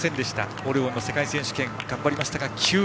オレゴンの世界選手権頑張りましたが９位。